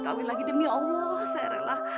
sekali lagi demi allah saya rela